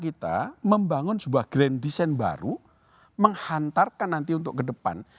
kita membangun sebuah grand design baru menghantarkan nanti untuk ke depan